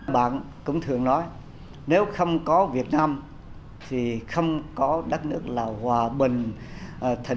bạn cũng thường nói nếu không có việt nam thì không có đất nước lào hòa bình